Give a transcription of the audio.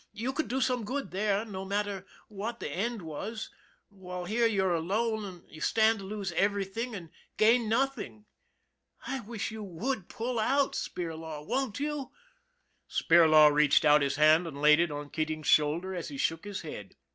You could do some good there no matter what the end was, while here you're alone and you stand to lose everything and gain nothing. I wish you would pull out, Spirlaw, won't you? " Spirlaw reached out his hand and laid it on Keat ing's shoulder, as he shook his head.